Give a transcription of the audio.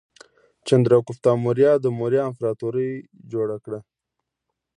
چندراګوپتا موریا د موریا امپراتورۍ جوړه کړه.